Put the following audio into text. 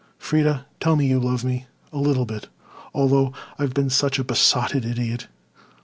Freda, tell me you love me a little bit, although I've been such a besotted idiot."